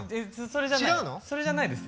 それじゃないです。